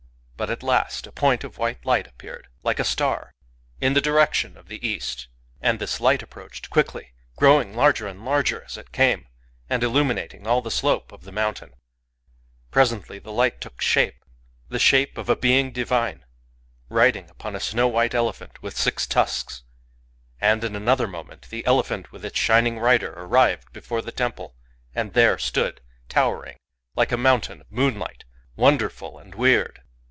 But at last a point of white light appeared, like a star, in the direction of the east ; and this light approached quickly, — growing larger and larger as it came, and illuminating all the slope of the mountain. Presently the light took shape Digitized by Googk 24 COMMON SENSE — the shape of a being divine, riding upon a snow white elephant with six tusks. And, in another moment, the elephant with its shining rider arrived before the temple, and there stood towering, like a mountain of moonlight, — wonderful and weird.